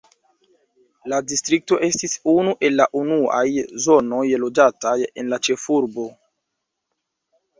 La distrikto estis unu el la unuaj zonoj loĝataj en la ĉefurbo.